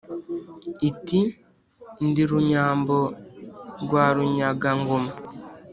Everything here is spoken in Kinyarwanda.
iti : ndi runyambo rwa runyaga-ngoma,